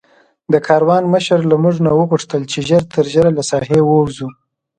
د کاروان مشر له موږ نه وغوښتل چې ژر تر ژره له ساحې ووځو.